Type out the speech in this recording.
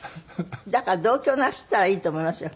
だから同居をなすったらいいと思いますよ。